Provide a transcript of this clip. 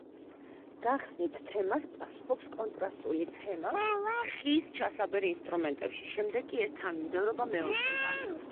გახსნით თემას პასუხობს კონტრასტული თემა ხის ჩასაბერ ინსტრუმენტებში, შემდეგ კი ეს თანმიმდევრობა მეორდება.